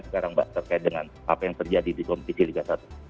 sekarang mbak terkait dengan apa yang terjadi di kompetisi liga satu